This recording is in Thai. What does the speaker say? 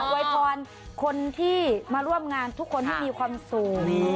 วยพรคนที่มาร่วมงานทุกคนให้มีความสุข